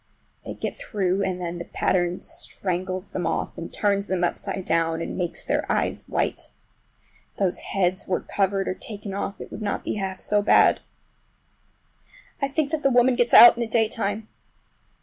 They get through, and then the pattern strangles them off and turns them upside down, and makes their eyes white! If those heads were covered or taken off it would not be half so bad. I think that woman gets out in the daytime!